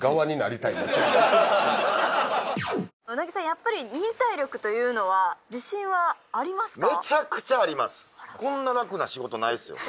やっぱり忍耐力というのは自信はありますか？